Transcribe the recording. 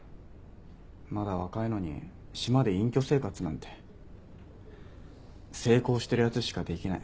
まだ若いのに島で隠居生活なんて成功してるやつしかできない。